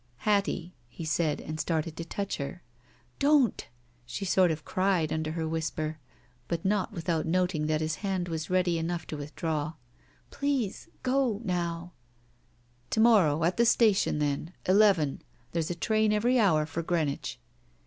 '^ "Hattie —" he said, and started to touch her. "Don't!" she sort of cried under her whisper, but not without noting that his hand was ready enough to withdraw. "Please — go — now —" "To morrow at the station, then. Eleven. There's a train every hour for Greenwich."